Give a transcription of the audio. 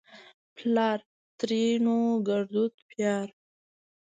پلار؛ ترينو ګړدود پيار